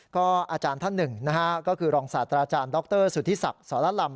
ก็อาจารย์ท่านหนึ่งนะฮะก็คือรองศาสตราจารย์ดรสุธิศักดิ์สรลำ